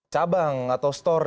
cabang atau store